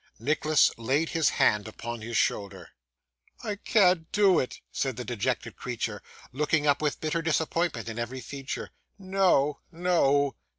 Nicholas laid his hand upon his shoulder. 'I can't do it,' said the dejected creature, looking up with bitter disappointment in every feature. 'No, no.